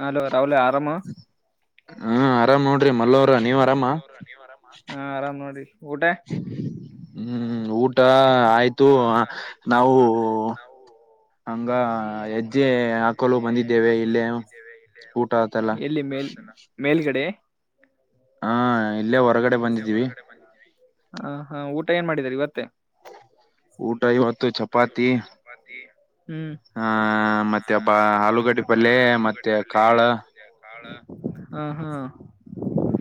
Hello ರಾವಲ ಆರಾಮ ಹ್ಮ ಆರಾಮ್ ನೋಡ್ರಿ ಮಲ್ಲವರ ನೀವ್ ಆರಾಮ ನೀ ಆರಾಮ ಹಾ ಆರಾಮ್ ನೋಡಿ ಹ್ಮ್ ಊಟ ಆಯ್ತು ನಾವು ಹಂಗ ಹೆಜ್ಜೆ ಹಾಕಲು ಬಂದಿದ್ದೇವೆ ಇಲ್ಲೇ ಊಟ ಆತಲ್ಲ ಎಲ್ಲಿ ಮೇಲ್ ಮೇಲ್ಗಡೆ ಹಾ ಹ ಇಳೆ ಹೊರಗಡೆ ಬಂಡೆದೇವೆ ಊಟ ಏನ್ ಮಾಡಿದ್ದಾರೆ ಇವತ್ತೇ ಊಟ ಇವತ್ತು ಚಪಾತಿ ಚಪಾತಿ ಹ್ಮ್ ಹ ಮತ್ತೆಬ್ಬ ಆಲೂಗಡ್ಡೆ ಪಲ್ಲೆ ಮತ್ತೆ ಕಾಳು ಕಳ್ಳು ಹಾ ಹಾ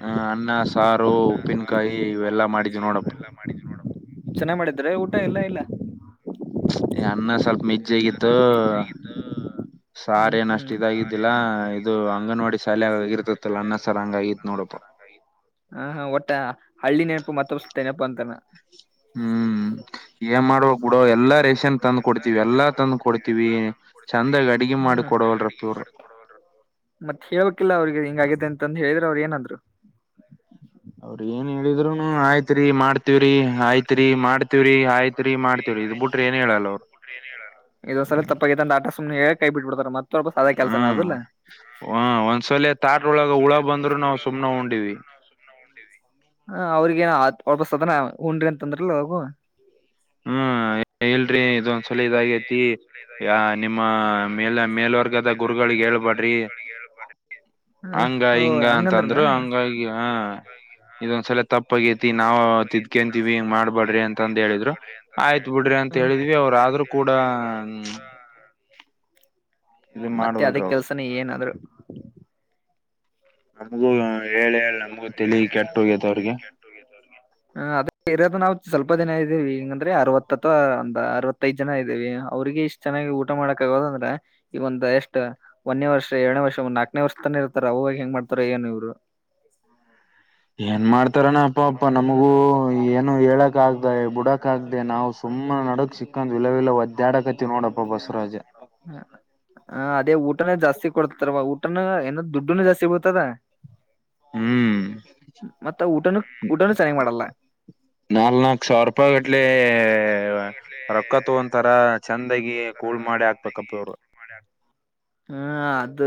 ಹ ಅನ್ನ ಸಾರು ಉಪ್ಪಿನಕಾಯಿ ಇವೆಲ್ಲಾ ಮಾಡಿದ್ವಿ ನೋಡಪ್ಪ ಮಾಡಿದ್ವಿ ನೋಡಪ್ಪ ಚೆನ್ನಾಗ ಮಾಡಿದ್ರೆ ಊಟ ಎಲ್ಲಾ ಇಲ್ಲ ಅನ್ನ ಸ್ವಲ್ಪ ಮಜ್ಜ ಆಗಿತ್ತು ಹ್ಮ ಸಾರ್ ಏನ ಅಷ್ಟು ಇದಾಗಿದ್ದಿಲ್ಲ ಇದು ಅಂಗನವಾಡಿ ಶಾಲೆ ಆಗ ಇರ್ತತ್ತಲ್ಲ ಅನ್ನ ಸಾರ್ ಹಂಗಗತ್ ನೋಡಪ್ಪ [inaudible] ಹಾ ಹಾ ಒಟ್ಟ ಹಳ್ಳಿ ನೆನಪು ಮತ್ತ ಹೊ ನೆನಪು ಅಂತಾನ ಹ್ಮ್ ಏನ್ ಮಾಡ್ವ ಬಿಡೋ ಎಲ್ಲಾ ರೇಷನ್ ತಂದ್ ಕೊಡ್ತಿೀವಿ ಎಲ್ಲಾ ತಂದ್ ಕೊಡ್ತಿೀವಿ ಚಂದಾಗಿ ಅಡ್ಗೆ ಮಾಡಿ ಕೊಡವಲ್ರ ಮತ್ತತ್ ಹೇಳ್ಬೇಕಕ್ಲ್ಲ ಅವ್ರಿಗೆ ಹಿಂಗಗ್ಯತೆ ಅಂತಂದು ಹೇಳಿದ್ರೆ ಅವ್ರು ಏನಂದ್ರು ಅವ್ರ ಏನ್ ಹೇಳಿದ್ರುನು ಆಯ್ತ್ರಿ ಮಾಡ್ತವ್ರಿ ಆಯ್ತ್ರಿ ಮಾಡ್ತಿವ್ರಿ ಆಯ್ತ್ರಿ ಆಯ್ತ್ ಮಾಡ್ತವ್ರಿ ಆಯ್ತ್ರಿ ಮಾಡ್ತಿವ್ರಿ ಆಯ್ತ್ಇದೊಂದ್ರಿ ತಪ್ಪಂದ ಆಟ ಸು್ನೆ ಹೇಳ ಕೈ ಬಿಟ್ಬಿಡ್ತಾರೆ ಮತ್ತೆ ಹ ಒಂದ್ಸಲ ತಾಟೊಳಗ ಹುಳ ಬಂದ್ರು ನಾವವು ಸುಮ್ನೆ ಉೊಂಡಿವವಿ ಅವ್ರರಿಗೇಏ ಒಳಬಸತದನ ಉುಂಡ್ರಿ ಅಂತಂದ್ರಲ್ ಅವು ಹ್ಮ ಹೇಳಲ್ರರಿ ಇದೊಂದ್ಸಲ ಇದಾಗೈತಿ ನಿಮ್ಮ ಮೇಲ್ ಮೇಲ್ವರ್ಗದಾಗ ಮೇಲ್ವರ್ಗದ ಗುರುಗಳಿಗೆ ಹೇಳಬೇಡರೆ ಹಂಗ ಹಿಂಗ ಅಂತಂದ್ರು ಹಂಗಾಗಿ ಹ ಇದೊಂದ್ಸಲ ತಪ್ಪಗೈತಿ ನಾವು ತಿದ್ಕಂತೀವಿ ಹಿಂಗ್ ಮಾಡ್ಬೇಡ್ರಿ ಅಂತ ಅಂದ ಹೇಳಿದ್ರು ಆಯ್ತ್ ಬಿಡ್ರಿ ಅಂತ ಹೇಳಿದ್ವಿ ಅವ್ರ ಆದ್ರೂ ಕೂಡ ಹ [unintelligible] ಮತ್ತೆ ಅದೇ ಕೆಲ್ಸನ ಏನಾದ್ರು ನಮಗೂ ಹೇಳಿಿ ನಮಗು ತಿಲಿ ಕೆಟ್ಟ ಹೋಗ್ಯತೆ ಅವ್ರಿಗೆ ಹ ಅದ ಇರದು ನಾವವು ಸ್ವಲ್ಪ ದಿನ ಇದ್ದೀವಿ ಹಂಗಂದ್ರೆ ಅರವತ್ತಥವಾ ಒಂದ ಅವ ಹತ್ತೈದ್ ಜನ ಇದ್ದೀವಿ ಅವ್ರಿಗೆ ಇಷ್ಟ್ ಚೆನ್ನಾಗಿ ಊಟ ಮಾಡಕ ಆಗೋದ ಅಂದ್ರೆ ಇ ಒಂದ ಎಷ್ಟ್ ಒಂದೇ ವರ್ಷ ಎರಡನೇ ವರ್ಷ ಒಂದ್ ನಾಲ್ಕನೇ ವರ್ಷ ತಾನ ಇರ್ತಾರ ಅವಾಗ ಹೆಂಗ್ ಮಾಡ್ತಾರ ಏನು ಇವರು ಏನ್ ಮಾಡ್ತಾರನಾ ಅಪ್ಪ ಅಪ್ಪಾ ನಮಗೂ ಏನು ಹೇಳಕ್ಾಗ್ದ ಬಿಡಕ್ ಆಗ್ದ ನಾವು ಸುಮ್ಮನೆ ನಡಕ್ ಸಿಕ್ಕಂದ್ ವಿಲ್ಲ ವಿಿಲ್ಲ ಒದ್ದ್ಯಾಡಕತಿವ ನೋಡಪ್ಪಾ ಬಸವರಾಜ್ ಹ ಹ ಅದೇ ಊಟನ ಜಾಸ್ತಿ ಕೊಡ್ತಾರವಾ ಊಟನ ಏನೋ ದುಡ್ಡನು ಜಾಸ್ತಿ ಬತದ [unintelligible] ಮತ್ತ ಊಟನೂ ಊಟನೂ ಚೆನ್ನಾಗ್ ಮಾಡಲ್ಲ ನಾಲ್ ನಕು ಸಾವಿರ ರೂಪಾಯಿ ಗಟ್ಲೆ ರೊಕ್ಕ ತಗಂತಾರ [unintelligible] [inaudible] ಹ್ಮ್ ಅದು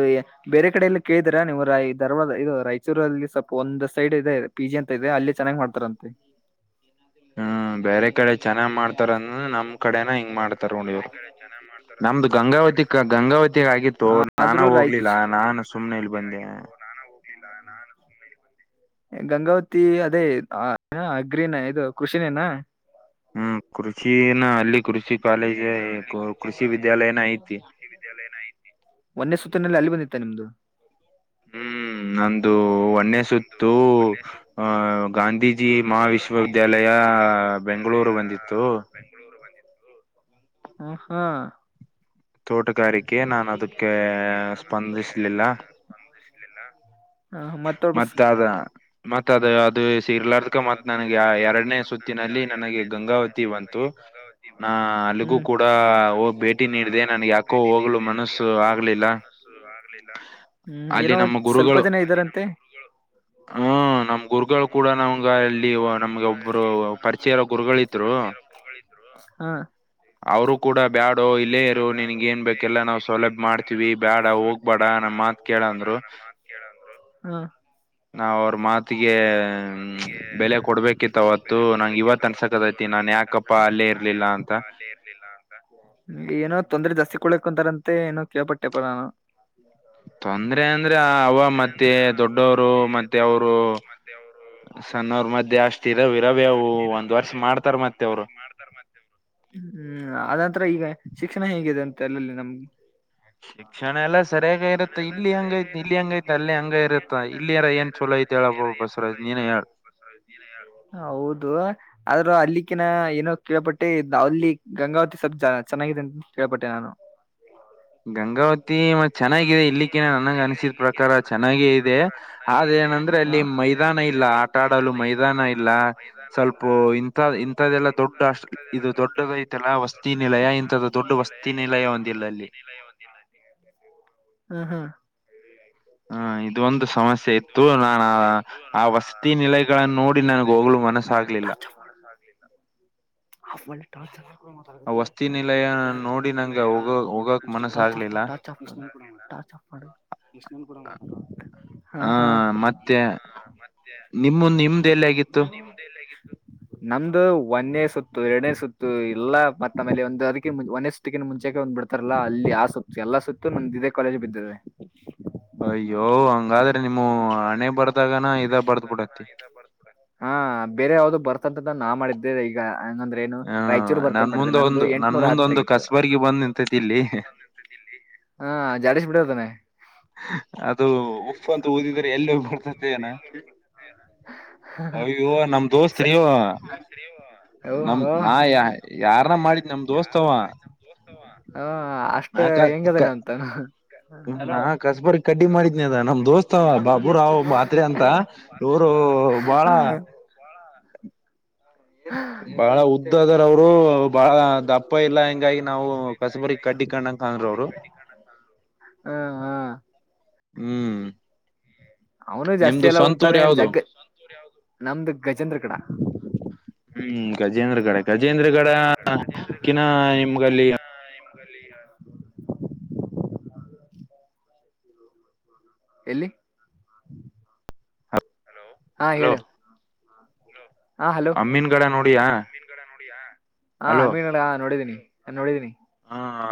ಬೇರೆ ಕಡೆಲ್ಲ ಕೇಳಿದರಾ ನೀವು ರಾಯ ಧರ್ವಾ ಇದು ರಾಯಚೂರಲ್ಲಿ ಸ್ವಲ್ಪ ಒಂದ್ ಸೈಡ್ ಇದೆ ಪಿಜಿ ಅಂತ ಇದೆ ಅಲ್ಲಿ ಚೆನ್ನಾಗಿ ಮಾಡ್ತಾರಂತೆ ಹ್ಮ್ ಬೇರೆ ಕಡೆ ಚೆನ್ನಾಗ್ ಮಾಡ್ತಾರಂದ್ರ ನಮ್ ಕಡೆನ ಹಿಂಗ್ ಮಾಡ್ತಾರೆ [unintelligible] ನಮ್ದು ಗಂಗಾವತಿ ಗಂಗಾವತಿ ಆಗಿತ್ತು ನಾನ ಹೋಗ್ಲಿಲ್ಲ ನಾನು ಸುಮ್ನೆ ಇಲ್ಲೇ ಬಂದೆ ನಾನ ಹೋಗಿಲ್ಲ ನಾನು ಗಂಗಾವತಿ ಅದೇ ಅಗ್ರೀನ್ ಇದು ಖೃಷಿನೇನಾ ಹ್ಮ್ ಕೃಷಿನ ಅಲ್ಲಿ ಕೃಷಿ ಕಾಲೇಜ್ ಕೃಷಿ ವಿದ್ಯಾಲಯನ ಐತಿ ಒನ್ನೆ ಸುತ್ತಿನಲ್ಲಿ ಅಲ್ಲಿ ಬಂದಿತ್ತೆ ನಿಮ್ದು ಹ್ಮ್ ನಂದು ಒನ್ನೆ ಸುತ್ತ [unintelligible] ಹ ಗಾಂಧೀಜಿ ಮಹ ವಿಶ್ವವಿದ್ಯಾಲಯ ಬೆಂಗಳೂರು ಬಂದಿತ್ತು ಬೆಂಗಳೂರು ಬಂದಿತು ಹಾ ತೋಟಗಾರಿಕೆ ನಾಾನು ಅದಕ್ಕೆ ಸ್ಪಂದಿಸಲಿಲ್ಲ ಸ್ಪಂದಿಸಲಿಲ್ಲ ಹ ಮತ್ತ ಮತ್ತೆ ಅದ ಮತ್ ಅದ ಅದು ಸಿರ್ಲಾರಕ ಮತ್ತ್ ನನಗೆ ಎರಡನೇ ಸುತ್ತಿನಲ್ಲಿ ನನಗೆ ಗಂಗಾವತಿ ಬಂತು ನಾ ಅಲ್ಲಿಗೂ ಕೂಡ ಭೇಟಿ ನೀಡಿದೆ ನನ್ಗೆ ಯಾಕೋ ಹೋಗ್ಲು ಮನಸ್ಸು ಆಗ್ಲಿಲ್ಲ [unintelligible] ಹ್ಮ್ ಏನೋ ಸ್ವಲ್ಪ ಜನ ಇದ್ದಾರಂತೆ ಹ್ಮ್ ನಮ್ ಗುರುಗಳು ಕೂಡ ನಮ್ಗ ಇಲ್ಲಿ ನಮ್ಗೆ ಒಬ್ಬರು ಪರ್ಚಿಯರ ಗುರುಗಳ ಹಾ ಅವರು ಕೂಡ ಬ್ಯಾಡ ಇಲ್ಲೇ ಇರು ನನ್ಗ ಏನ್ ಬೇಕೆಲ್ಲ ನಾವ್ ಸೌಲಭ್ಯ ಮಾಡ್ತೀವಿ ಬೇಡ ಹೋಗ್ಬೇಡ ನಮ್ಮ ಮಾತ್ ಕೇಳಂದ್ರು. ಹಾ. ನಾವ್ ಅವ್ರ ಮಾತಿಗೆ ಬೆಲೆ ಕೊಡ್ಬೇಕಿತ್ತ ಅವತ್ತು ನಂಗೆ ಇವತ್ ಅನ್ಸಕದೈತಿ ನಾನ್ ಯಾಕಪ್ಪ. ನಾನ್ ಯಾಕಪ್ಪಾ ಅಲ್ಲೇ ಇರ್ಲಿಲ್ಲ. ಏನೋ ತೊಂದ್ರೆ ಜಾಸ್ತಿ ಕೊಳಕತಾರಂತೆ ಏನೋ ಕೇಳ್ಪಟ್ಟೆಪ ನಾನು. ತೊಂದ್ರೆ ಅಂದ್ರೆ ಅವ ಮತ್ತೆ ಏ ದೊಡ್ಡವರು ಮತ್ತೆ ಅವರು ಸಣ್ಣವ್ರ ಮಧ್ಯೆ ಅಷ್ಟ ಇರಾವ ಇರಾವ ಅವು ಒಂದ್ ವರ್ಷ ಮಾಡ್ತ ಒಂದ್ ವರ್ಷ ಮಾಡ್ತಾರೆ ಮತ್ತೇನ. ಹ್ಮ್ ಅತ್ರ ಈಗ ಶಿಕ್ಷಣ ಹೇಗಿದೆ ಅಂತ ಅಲ್ಲಲ್ಲಿ ನಮ್ ಶಿಕ್ಷಣ ಎಲ್ಲ ಸರಿಯಾಗಿ ಇರುತ್ತೆ ಇಲ್ಲಿ ಹೆಂಗೈತಿ ಇಲ್ಲಿ ಹೆಂಗೈತಿ ಅಲ್ಲಿ ಹಂಗ ಇರುತ್ತ. ತ್ತ ಇಲ್ಲಿಯಾರ ಏನ್ ಚಲೋ ಐತಿ ಹೇಳಪ್ಪಾ ಬಸವರಾಜ್ ನೀನೇ ಹೇಳ. ಹೌದು. ಆದ್ರೂ ಅಲ್ಲಿಕ್ಕಿನ ಏನೋ ಕೇಳಪಟ್ಟೆ ಅಲ್ಲಿ ಗಂಗಾವತಿ ಸ್ವಲ್ಪ ಸ್ವಲ್ಪ ಚೆನ್ನಾಗಿದೆ. ಕೇಳ್ಪಟ್ಟೆ ನಾನು. ಗಂಗಾವತಿ ಮತ್ ಚೆನ್ನಾಗಿದೆ ಇಲ್ಲಿಕ್ಕಿನ ನನಗ್ ಅನ್ಸಿದ ಪ್ರಕಾರ ಚೆನ್ನಾಗೇ ಇದೆ. ಚೆನ್ನಾಗೇ ಇದೆ ಆದ ಏನಂದ್ರೆ ಅಲ್ಲಿ ಮೈದಾನ ಇಲ್ಲ ಆಟ ಆಡಲು ಮೈದಾನ ಇಲ್ಲ. ಸ್ವಲ್ಪ ಇಥಲ್ಲ ದೊಡ್ಡ ಅಷ್ಟ ದೊಡ್ಡಲ್ಲ ವಸ್ತಿ ನಿಲಯ ಇಂತಥದ್ದ ದೊಡ್ಡ ವಸ್ತಿ ಹ್ಮ್ ಹ್ಮ್. ಹ ಇದ ಒಂದು ಸಮಸ್ಯೆ ಇತ್ತು ನಾನು ಆ ವಸತಿ ನಿಲಯಗಳನ್ನು ನೋಡಿ ನಾನು. ಮನಸು ಆಗ್ಲಿಲ್ಲ. [unintelligible] ಟಾರ್ಚ್ ಟಾರ್ಚ್ ಆಫ್ ಮಾಡು. ಹ ಮತ್ತೆ ನಿಮ್ಮಂದು ನಿಮ್ದ ಎಲ್ಲಿ ಆಗಿತ್ತು. ನಿಮ್ದು ಯಲ್ಲಿ ಆಗಿತ್ತು. ನಮ್ದು ಒಂದೇ ಸುತ್ತು ಎರಡನೇ ಸುತ್ತು ಇಲ್ಲ ಮತ್ತ ಆಮೇಲೆ ಒಂದು ಅದಕ್ಕೆ ಒಂದೇ ಸುತ್ ಸುತ್ತಿನ ಮುಂಚೆ ಒಂದ್ ಬಿಡ್ತಾರಲ್ಲ ಅಲ್ಲಿ ಆ ಸುತ್ತ ಎಲ್ಲ ಸುತ್ತು ನಮ್ದ ಇದೇ ಕಾಲೇಜ ಬಿದ್ದಿದೆ. ಅಯ್ಯೋ ಹಂಗಾದ್ರೆ ನಿಮ್ಮ ಹಣೆ ಬರ್ದಾಗನ ಇದೆ ಬರ್ದಬಿಟ್ಟೈತೀ. [unintelligible] ಹಾ ಬೇರೆ ಯಾವ್ದು ಬರ್ತ ರ್ ನಾ ಮಾಡಿದ್ದೆ ಈಗ ಹಂಗಂದ್ರ ಏನು ರಾಯಚೂರು ಬರ್ತ ಅಂತಾ ಮಾಡಿದ್ದೆ ನಂದು ಎಂಟ್ನೂರ ಹತ್ತಗಿತ್ತು. ಈಗ ಬಂದ ನಿಂತೈತೀ ಇಲ್ಲಿ. ಹಾ ಜಾಡೇಶ್ ಬಿಡು ಅದ್ದನ್ನಾ. ಹ್ಹಾ ಅದು. [unintelligible] ಅಯ್ಯೋ ನಮ್ ದೋಸ್ತ್ರಿ ಇವ. ನಮ ನಾ ಯ ಯಾರನ್ನ ಮಾಡಿದ್ ನಮ ದೋಸ್ತವ. ಹ ಅಷ್ಟ ಹೆಂಗದನೆ ಅಂತ. ಹಾ ಕಸಬರ್ಗ್ ಕಡ್ಡಿ ಮಾಡಿದ್ನಿ ಅದನ್ನ ನಮ್ ದೋಸ್ತ ಬಾಬು ರಾವ್ ಮಾತ್ರೆ ಅಂತ. [unintelligible] ಬಾಳ [inaudible] ಬಹಳ ಉದ್ದ ಅದರ ಅವ್ರು ಬಹಳ ದಪ್ಪ ಇಲ್ಲ ಹಿಂಗಾಗಿ ನಾವು ಕಸಬರಿ ಕಡ್ಡಿ ಕಾನಂಗ ಕಂಡ್ರು ಅವ್ರು ಹಾ ಹಾ ಹ್ಮ್ ಅವನು ಜಾಸ್ತಿ ಎಲ್ಲ ಓದ್ತಾನೆ ಜಗ್ಗ ನಮ್ದ ಗಜೇಂದ್ರಗಡ. ಹ್ಮ್ ಗಜೇಂದ್ರಗಡ ಗಜೇಂದ್ರಗಡ ಕಿನ ನಿಮ್ಗಲ್ಲಿ ಯಾವ್ ಹಾ ಹೆಂಗಲಿ. ಎಲ್ಲಿ ಹಾ ಹೇಳು. ಹಾ ಹಲೋ ಹ ಅಮೀನಗಡ ನೋಡಿದ್ದೀನಿ ನೋಡಿದೀನಿ. ಹಾ ಹಾ.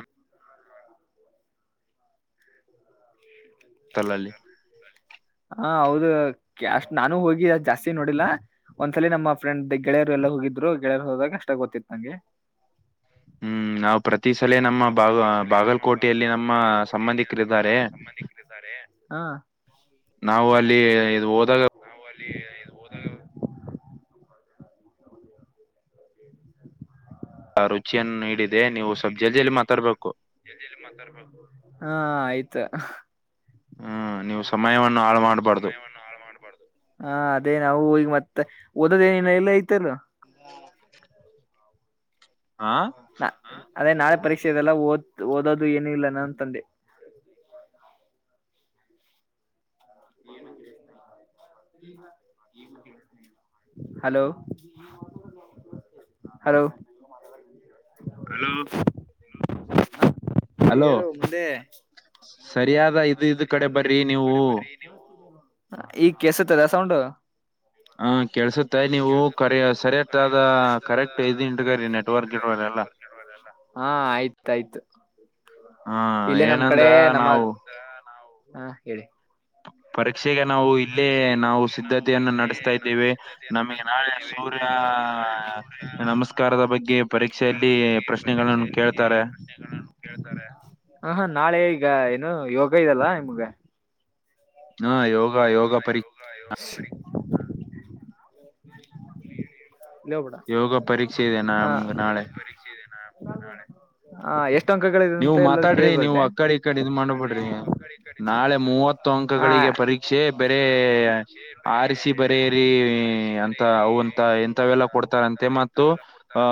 ಕಲ್ಲಲ್ಲಿ. ಹ ಹೌದು ಕ್ಯಾಷ್ಟ್ ನಾನು ಹೋಗಿ ಅ ಜಾಸ್ತಿ ನೋಡಿಲ್ಲ. ಒಂದ್ಸಲಿ ನಮ್ಮ ಫ್ರೆಂಡ್ ಗೆಳೆಯರ ಎಲ್ಲ ಹೋಗಿದ್ರು ಗೆಳೆಯರ್ ಹೋದಾಗ ಅಷ್ಟ ಗೊತ್ತಿತ್ತ ನಂಗೆ. ಹ್ಮ್ ನಾವು ಪ್ರತಿ ಸಲೇ ನಮ್ಮ ಬಾಗ ಬಾಗಲಕೋಟೆಯಲ್ಲಿ ನಮ್ಮ ಸಂಬಂಧಿಕರಿದ್ದಾರೆ. ಹಾ. ನಾವು ಅಲ್ಲಿ ಇದ್ ಹೋದಾಗ. ನಾವು ಅಲ್ಲಿ ಹೋದಾಗ. ಆ ರುಚಿಯನ್ನ ನೋಡಿದೆ ನೀವ ಸಲ್ಪ ಜಲ್ದಿ ಜಲ್ದಿ ಮಾತಾಡ್ಬೇಕ. ಹಾ ಹಾ ಆಯ್ತ. ಹ್ಮ ನೀವು ಸಮಯವನ್ನು ಹಾಳ ಮಾಡ್ಬಾರ್ದು. ಹಾ ಅದೇ ನಾವು ಇವತ್ತ ಓದೋದೇನ ಎಲ್ಲ ಐತಲ್ಲ. ಹಾ. ಹಾ. ನ ಅದೇ ನಾಳೆ ಪರೀಕ್ಷೆ ಇದೆಲ್ಲ ಓದ್ ಓದೋದು ಏನು ಇಲ್ಲನ ಅಂತಅಂದೆ. ಹಲೋ. ಹಲೋ. ಹಲೋ. ಹೇಳು ಮುಂದೆ. ಸರಿಯಾದ ಇದ ಇದ್ ಕಡೆ ಬರ್ರಿ ನೀವು. ಈಗ ಕೆಲ್ಸತ್ತಲ ಸೌಂಡು. ಹ ಕೆಲ್ಸುತ್ತ ನೀವು ಸರಿಯಾದಾದ ಕರೆಂಟ್ ನೆಟ್ವರ್ಕ್. ಹಾ ಆಯ್ತಯ್ತ ಇಲ್ಲೇ ನಮ್ ಕಡೆ ನಮ್ಮ ಹಾ ಹೇಳಿ. ಪರೀಕ್ಷೆಗೆ ನಾವು ಇಲ್ಲೇ ನಾವು ಸಿದ್ಧತೆಯನ್ನು ನಡೆಸ್ತಾ ಇದ್ದೇವೆ ನಮಗೆ ನಾಳೆ ಸೂರ್ಯ ನಮಸ್ಕಾರದ ಬಗ್ಗೆ ಪರೀಕ್ಷೆಯಲ್ಲಿ ಪ್ರಶ್ನೆಗಳನ್ನ ಕೇಳ್ತಾರೆ. ಪ್ರಶ್ನೆಗಳನ್ನ ಕೇಳ್ತಾರೆ ಹ ಹಾ ನಾಳೆ ಈಗ ಏನು ಯೋಗ ಇದಲ್ಲಾ ನಿಮ್ಗ. ಹಾ ಯೋಗಾ ಯೋಗಾ ಪರೀಕ್ ಹಾ ಯೋಗಾ ಪರಿಕ ಹಾ ಹಾ ಎಶ್ ನೀವು ಮಾತಾಡ್ರಿ ನೀವು ಅಕ್ಕಡಿ ಈಕ್ಕಡಿ ಇದ್ ಮಾಡಬ್ಯಾಡ್ರಿ ನಾಳೆ ಮೂವತ್ ತ್ತು ಅಂಕಗಳಿಗೆ ಪರೀಕ್ಷೆ ಬರೆ ಆರಿಸಿ ಬರೆಯರಿ ಅಂತ ಅವ ಇಂಥವೆಲ್ಲ ಕೊಡ್ತಾರಂತೆ ಮತ್ತು ಆ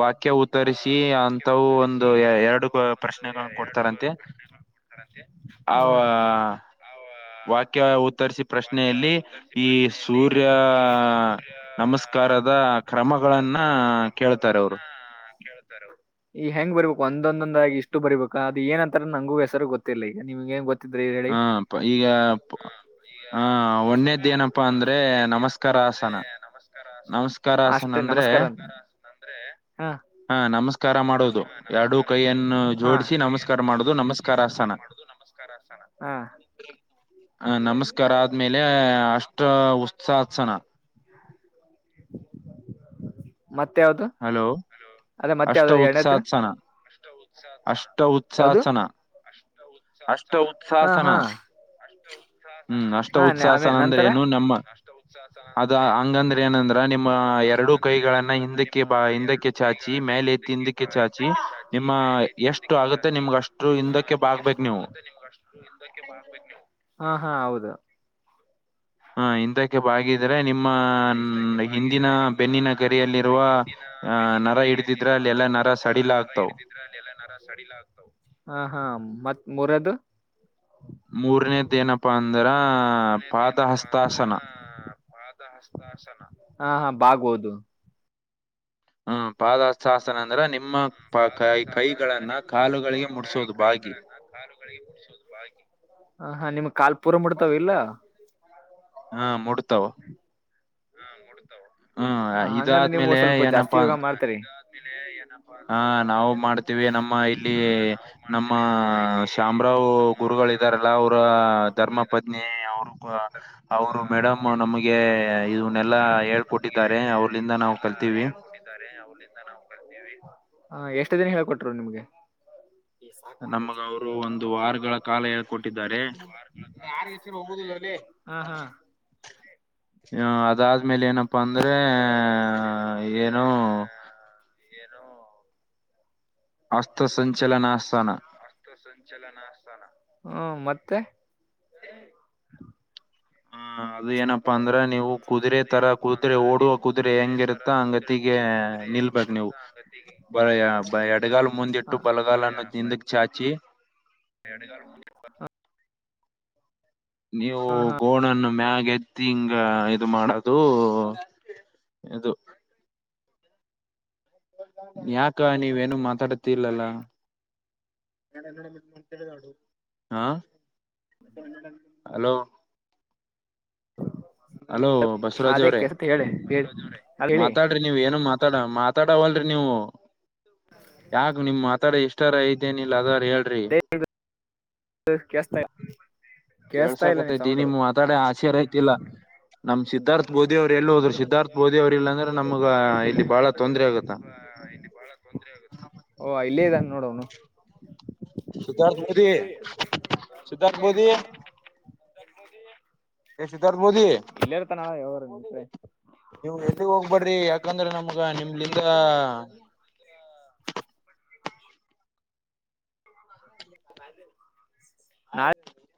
ವಾಕ್ಯ ಉತ್ತರಿಸಿ ಅ ತಾವು ಒಂದು ಎರಡು ಪ್ರಶ್ನೆಗಳನ್ನ ಕೊಡ್ತಾರಂತೆ ಆ ವಾಕ್ಯ ಉತ್ತರಿಸಿ ಪ್ರಶ್ನೆಯಲ್ಲಿ ಈ ಸೂರ್ಯ ನಮಸ್ಕಾರದ ಕ್ರಮಗಳನ್ನ ಕೇಳ್ತಾರೆ ಅವರು. ತಾರ ಅವ್ರು. ಈಗ ಹೆಂಗ್ ಬರ್ಬೇಕು ಒಂದೊಂದೊಂದ ಆಗಿ ಇಷ್ಟು ಬರಿಬೇಕಾ ಅದು ಏನ್ ಅಂತಾರ ಅಂತ ನಂಗೂ ಹೆಸರು ಗೊತ್ತಿಲ್ಲ ಈಗ ನಿಮ್ಗ ಏನ್ ಗೊ ಹಾ ಪ ಈಗ ಪ್ ಈಗ ಒನ್ನೆದ ಏನಪ್ಪಾ ಅಂದ್ರೆ ನಮಸ್ಕಾರಾಸನಾ ಅಷ್ಟ ನಮಸ್ಕಾರ ಅಂತಂದ್ರೆ ಹ. ಹಾ ನಮಸ್ಕಾರ ಮಾಡೋದು ಎರಡೂ ಕೈಯನ್ನು ಜೋಡಿಸಿ ನಮಸ್ಕಾರ ಮಾಡೋದು ನಮಸ್ಕಾರಾಸನ. ಹಾ ಹ ನಮಸ್ಕಾರ ಆದ್ಮೇಲೆ ಅಷ್ಟ ಉತ್ಸಾಹಸಣ. ಮತ್ತೆ ಯಾವ್ದು. ಹಲೋ ಅಷ್ಟ ಉತ್ಸಾಸನ ಅಷ್ಟ ಉತ್ಸಾಸನ. ಹಾ ಹಾ. ಹ್ಮ್ ಅಷ್ಟ ಉತ್ಸಾಸನಂದ್ರೆ ಏನು ನಮ್ ನಷ್ಟ ಉತ್ಸಾಹಸನ. ಅದ ಹಂಗಂದ್ರೆ ಏನಂದ್ರ ನಿಮ್ಮ ಎರಡು ಕೈಗಳನ್ನ ಹಿಂದಕ್ಕೆ ಬ ಹಿಂದಕ್ಕೆ ಚಾಚಿ ಮೇಲೆ ಎತ್ತಿ ಹಿಂದಕ್ಕೆ ಚಾಚಿ ನಿಮ್ಮ ಎಷ್ಟು ಆಗುತ್ತೆ ನಿಮ್ಗ ಅಷ್ಟ ಹಿಂದಕ್ಕೆ ಬಾಗ್ಬೇಕೇಕ್ ನೀವು. ಹಾ ಹಾ ಹೌದು. ಹ ಹಿಂದಕ್ಕೆ ಬಾಗಿದ್ರೆ ನಿಮ್ಮ ಹಿಂದಿನ ಬೆನ್ನಿನ ಗರಿಯಲ್ಲಿರುವ. ಆಹ ನರ ಹಿಡಿದಿದ್ರೆ ಅಲ್ಲಿ ಎಲ್ಲಾ ನರ ಸಡಿಲ ಆಗ್ತಾವು. ಹ ಹ ಮತ್ ಮೂರನೆದ್ದು. ಮೂರನೇದೇನಪ್ಪಾ ಅಂದ್ರ ಪಾದ ಹಸ್ತಾಸನ. ಹಾ ಹಾ ಬಾಗಬೋದು. ಹ್ಮ್ ಪಾದಾಸ್ ಶಾಸನ ಅಂದ್ರ ನಿಮ್ಮ ಕೈ ಕೈಗಳನ್ನ ಕಾಲುಗಳಿಗೆ ಮುಡಸೋದು ಬಾಗಿ. ಹ ಹಾ ನಿಮ್ ಕಾಲ್ಪೂರ ಮುಟಡ್ತಾವ ಇಲ್ಲ. ಹಾ ಮೂಡ್ತಾವ. ಹ ಹಂಗಂದ್ರೆ ನೀವು ಸ್ವಲ್ಪ ಜಾಸ್ತಿ ಯೋಗ ಮಾಡ್ತರಿ. ಹಾ ನಾವು ಮಾಡ್ತೀವಿ ನಮ್ಮ ಇಲ್ಲಿ ನಮ್ಮ ಶಾಮರಾವ್. ಗುರುಗಳ ಇದಾರಲ್ಲ ಅವ್ರ ಧರ್ಮ ಪತ್ನಿ ಅವರು. ಅವರು ಮೇಡಮ್ ನಮಗೆ ಇದನ್ನೆಲ್ಲಾ ಹೇಳ್ಕೊಟ್ಟಿದ್ದಾರೆ ಅವ್ರಲಿಂದ ನಾವು. ಕಲ್ತೀವಿ. ಹ ಎಷ್ಟು ದಿನ ಹೇಳ್ಕೊಟ್ರು ನಿಮ್ಗೆ. ನಮಗ ಅವರು ಒಂದು ವಾರಗಳ ಕಾಲ ಹೇಳ್ಕೊಟ್ಟಿದ್ದಾರೆ. ಹಾ. ಅದಾದ್ಮೇಲೆ ಏನಪ್ಪಾ ಅಂದ್ರೆ ಏನೋ. ಏನೋ. ಹಸ್ತ್ರ ಸಂಚಲನಸ್ಥಾನ. ಹ್ಮ ಮತ್ತೆ. ಹಾ ಅದು ಏನಪ್ಪಾ ಅಂದ್ರ ನೀವು ಕುದುರೆೆ ತರ ಕುದುರೆೆ ಓಡುವ ಕುದುರೆ ಹೆಂಗಿರುತ. ಅಂಗತಿಗೆ ನಿಲ್ಬೇಕ ನೀವು ಬ ಎಡಗಾಲು ಮುಂದಿಟ್ಟು ಬಲಗಾಲನ್ನು ಹಿಂದಕ್. ಚಾಚಿ. [inaudible] ನೀವು ಗೋ ನನ್ನ ಮ್ಯಾಗ ಎತ್ತಿ ಹಿಂಗ ಇದು ಮಾಡೋದು ಇದು. ಯಾಕ ನೀವೇನು ಮಾತಾಡತಿಲ್ಲಲ್ಲ. ಹ ಹಲೋ. ಹಲೋ ಬಸವರಾಜ ಅವ್ರೇ ಮಾತಾಡ್. ಲ್ರಿ ನೀವ್ ಏನ ಮಾತಾಡ ಮಾತಾಡವಲ್ರಿ ನೀವು. ಯಾಕ ನಿಮ್ ಮಾತಾಡ ಇಷ್ಟಾರ ಐತಿ ಏನ್ ಇಲ್ಲ ಅದನಾರ ಹೇಳ್ರಿ. ಕೇಳಿಸ್ತಾ ಇಲ್ಲ. ಕೇಳಿಸಕತೈತಿ ನಿಮ್ ಮಾತಾಡಿ ಆಶ್ಚರ್ಯ ಐತಿಲ್ಲ. ನಮ್ ಸಿದ್ಧಾರ್ಥ ಬೋಧಿ ಅವ್ರು ಎಲ್ಲಿ ಹೋದ್ರು ಸಿದ್ಧಾರ್ಥ ಬೋಧಿ ಅವ್ರ ಇಲ್ಲ ಅಂದ್ರೆ ನಮ್ಗ ಇಲ್ಲಿ ಬಾಳ ತೊಂದ್ರೆ ಆಗುತ್ತ. ಹ [unintelligible] ಓ ಇಲ್ಲೇ ಇದ್ದಾನ್ ನೋಡು ಅವನು. ಸಿತಾರ್ ದು ಮೋದಿ ಸಿದ್ದಾರ್ಥ್ ಮೋದಿ. ಇಲ್ಲೇ ಇರ್ತಾನ [unintelligible] ನೀವು ಎಲ್ಲೂ ಹೋಗ್ಬಡ್ರಿ ಯಾಕಂದ್ರೆ ನಮ್ಗೆ ನಿಮ್ಲಿಂಗ. ವ್ಯಾಲ್ಯಾವು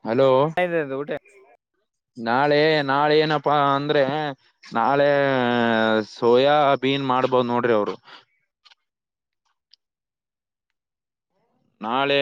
ಹಲೋ [unintelligible] ಊಟ ನಾಳೆ ನಾಳೆ ಏನಪ್ಪಾ ಅಂದ್ರೆ. ನಾಳೆ ಸೋಯಾ ಬೀನ್ ಮಾಡ್ಬೋದ್ ನೋಡ್ರಿ ಅವರು. ನಾಳೆ